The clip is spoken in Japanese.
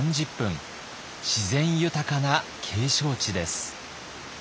自然豊かな景勝地です。